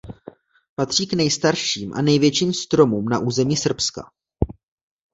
Patří k nejstarším a největším stromům na území Srbska.